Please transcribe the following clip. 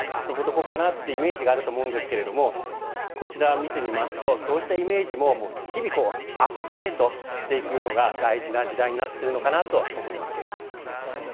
ここかな？というイメージがあると思うんですけれどもこちらを見てみますとそういうイメージも日々アップデートしていくのが大事な時代になっているのかなと思います。